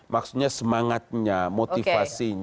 maksudnya semangatnya motivasinya